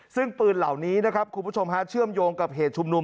ซึ่งปืนเหล่านี้นะครับคุณผู้ชมฮะเชื่อมโยงกับเหตุชุมนุม